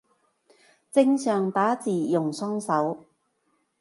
正常打字用雙手